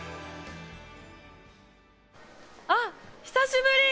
あっ久しぶり！